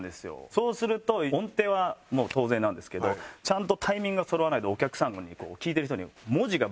そうすると音程はもう当然なんですけどちゃんとタイミングがそろわないとお客様に聴いてる人に文字がブレちゃう。